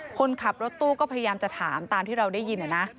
คนขับรถตู้ก็พยายามจะถามตามที่เราได้ยินนะ